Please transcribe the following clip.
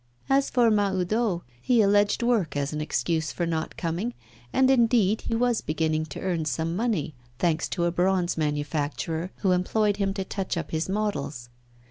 As for Mahoudeau, he alleged work as an excuse for not coming, and indeed he was beginning to earn some money, thanks to a bronze manufacturer, who employed him to touch up his models.